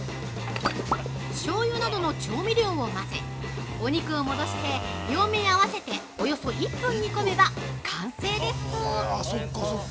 しょうゆなどの調味料をまぜお肉を戻して、両面合わせておよそ１分煮込めば完成です。